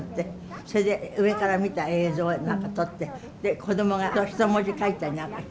それで上から見た映像なんか撮ってでこどもが人文字書いたりなんかして。